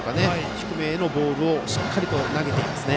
低めへのボールをしっかり投げましたね。